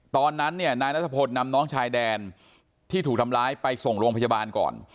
ตอนนั้นเนี่ยนายนัทพลนำน้องชายแดนที่ถูกทำร้ายไปส่งโรงพยาบาลก่อน